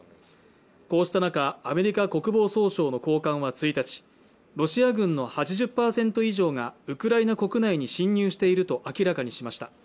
こうした中アメリカ国防総省の高官は１日ロシア軍の８０％以上がウクライナ国内に侵入していると明らかにしました